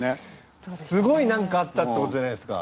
すごい何かあったってことじゃないですか